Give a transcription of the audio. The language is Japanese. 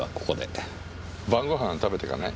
晩ご飯食べてかない？